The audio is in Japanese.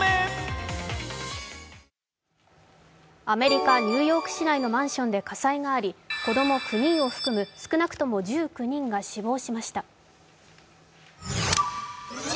アメリカ・ニューヨーク市内のマンションで火災があり、子供９人を含む少なくとも１９人が死亡しました。